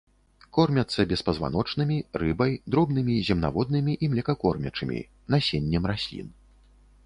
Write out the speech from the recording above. Кормяцца беспазваночнымі, рыбай, дробнымі земнаводнымі і млекакормячымі, насеннем раслін.